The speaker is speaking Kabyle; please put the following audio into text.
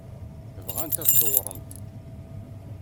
Bɣant ad dewwṛent.